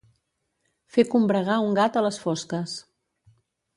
Fer combregar un gat a les fosques.